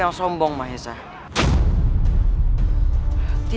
dan menangkap kake guru